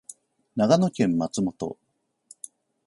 長野県松本